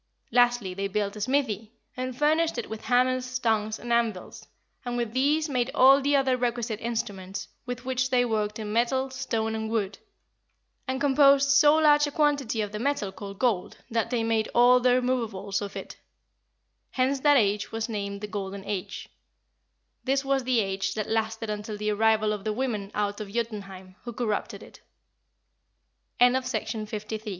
Lastly they built a smithy, and furnished it with hammers, tongs, and anvils, and with these made all the other requisite instruments, with which they worked in metal, stone and wood, and composed so large a quantity of the metal called gold that they made all their moveables of it. Hence that age was named the Golden Age. This was the age that lasted until the arrival of the women out of Jotunheim, who corrupted it." ORIGIN OF THE DWARFS.